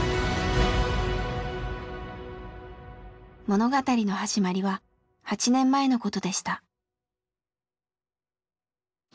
物語の始まりは８年前のことでした。